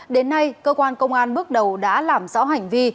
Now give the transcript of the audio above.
đến nay cơ quan công an bước đầu đã làm rõ hành vi